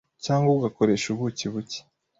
cyangwa ugakoresha ubuki buke